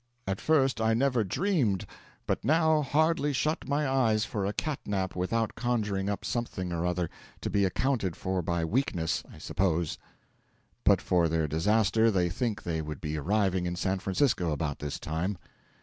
'At first I never dreamed, but now hardly shut my eyes for a cat nap without conjuring up something or other to be accounted for by weakness, I suppose.' But for their disaster they think they would be arriving in San Francisco about this time.